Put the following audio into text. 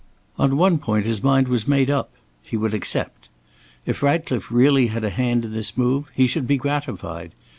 On one point his mind was made up. He would accept. If Ratcliffe really had a hand in this move, he should be gratified.